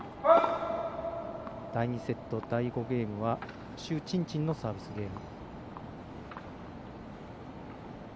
第２セット第５ゲームは朱珍珍のサービスゲーム。